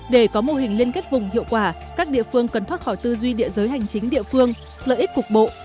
để có mô hình liên kết vùng hiệu quả các địa phương cần thoát khỏi tư duy địa giới hành chính địa phương lợi ích cục bộ